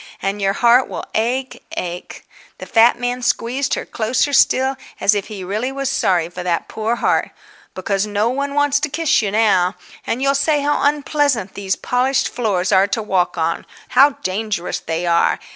And your heart will ache, ache"—the fat man squeezed her closer still, as if he really was sorry for that poor heart—"because no one wants to kiss you now. And you'll say how unpleasant these polished floors are to walk on, how dangerous they are.